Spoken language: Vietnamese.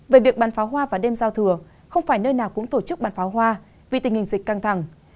về việc bàn pháo hoa và đêm giao thừa không phải nơi nào cũng tổ chức bàn pháo hoa vì tình hình dịch căng thẳng